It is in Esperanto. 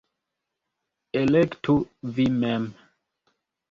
Elektu vi mem!